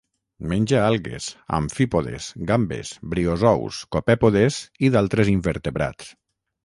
Menja algues, amfípodes, gambes, briozous, copèpodes i d'altres invertebrats.